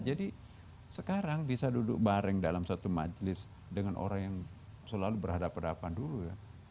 jadi sekarang bisa duduk bareng dalam satu majlis dengan orang yang selalu berhadapan hadapan dulu ya